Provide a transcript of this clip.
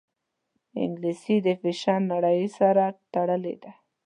انګلیسي د فیشن نړۍ سره تړلې ده